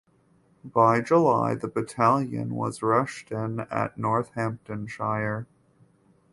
By July the battalion was at Rushden in Northamptonshire.